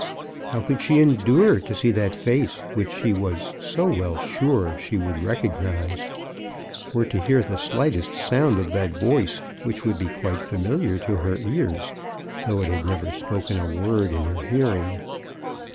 How could she endure to see that face which she was so well sure that she would recognize, or to hear the slightest sound of that voice which would be quite familiar to her ears, though it had never spoken a word in her hearing?